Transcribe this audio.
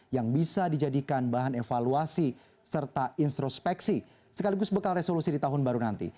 yang bisa dijadikan bahan evaluasi serta introspeksi sekaligus bekal resolusi di tahun baru nanti